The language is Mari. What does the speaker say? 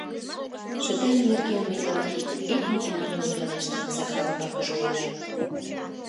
— Шыдаҥ нерген мый тыланет ик мутымат ом пелеште, — Захар умбакыже ойла.